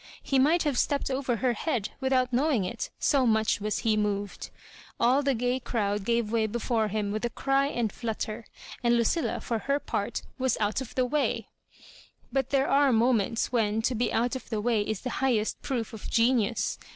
He might have stepped over her head without knowing it, so much was he moved. All the gay crowd gave way before him with a cry and flutter; and Lucilla^ for her part, was put of the way I But there are moments when to be out of the way is the highest proof of genius.